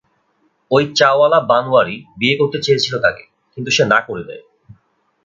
ওই চা-ওয়ালা বানওয়ারি, বিয়ে করতে চেয়েছিলো তাকে, কিন্তু সে না করে দেয়।